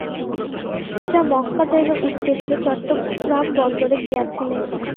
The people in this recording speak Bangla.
সুজা মক্কা যাইবার উদ্দেশে চট্টগ্রাম বন্দরে গিয়াছিলেন।